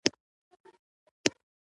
خپلو کورونو ته ننوتل.